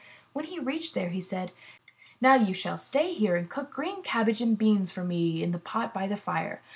When he reached there, he said: ''Now you shall stay here, and cook green cabbage and beans for me in the pot by the fire.